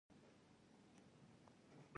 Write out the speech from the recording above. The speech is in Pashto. افغانستان د خپلو ټولو کلیو یو ښه کوربه دی.